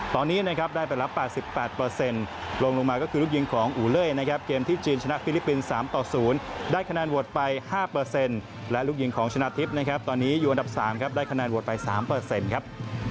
ตอนนี้นะครับได้ไปแล้ว๘๘ลงลงมาก็คือลูกยิงของอูเล่ยนะครับเกมที่จีนชนะฟิลิปปินส์๓ต่อ๐ได้คะแนนโหวตไป๕และลูกยิงของชนะทิพย์นะครับตอนนี้อยู่อันดับ๓ครับได้คะแนนโหวตไป๓ครับ